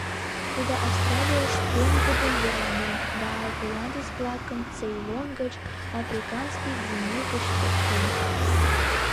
Тудо Австралиеш пеҥгыдын верланен да голландец-влакым Цейлон гыч, Африканский Гвиней гыч поктен.